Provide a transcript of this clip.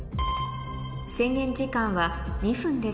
制限時間は２分です